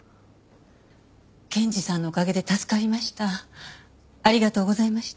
検事さんのおかげで助かりました。